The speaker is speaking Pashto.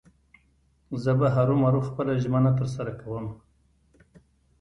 زه به هرو مرو خپله ژمنه تر سره کوم.